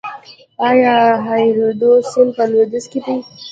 آیا هریرود سیند په لویدیځ کې دی؟